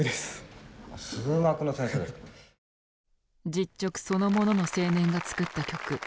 実直そのものの青年が作った曲。